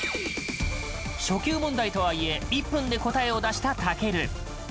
初級問題とはいえ１分で答えを出した健。